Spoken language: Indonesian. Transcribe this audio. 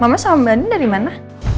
mama sama mbak nini dari mana